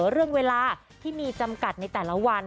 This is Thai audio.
เรื่องเวลาที่มีจำกัดในแต่ละวัน